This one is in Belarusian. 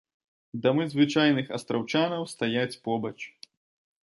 Дамы звычайных астраўчанаў стаяць побач.